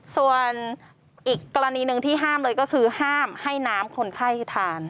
ส่วนอีกกรณีหนึ่งที่ห้ามเลยก็คือห้ามให้น้ำคนไข้ทาน